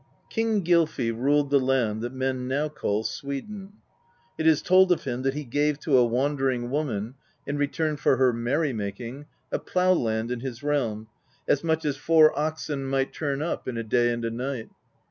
King Gylfi ruled the land that men now call Sweden. It is told of him that he gave to a wandering woman, in return for her merry making, a plow land in his realm, as much as four oxen might turn up in a day and a night.